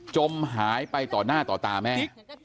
จมหายไปต่อหน้าต่อตาแม่